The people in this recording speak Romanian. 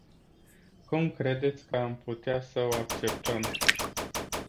Cum credeți că am putea să o acceptăm?